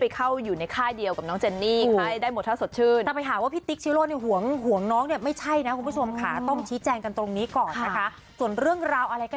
ไปวัดไอไข้กันกับพวกกระเกิดที่หินข้อนกันนะครับ